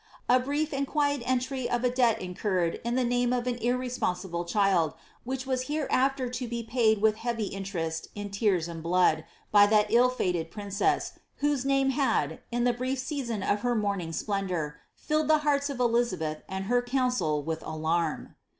A brief ind quiet entry of a debt incurred in the name of an irresponsible child, which was hereafter to be paid with heavy interest in tears and blood, by that ill fated princess, whose name had, in the brief season of her morning splendour, filled the hearts of Elizabeth and her council with alarm.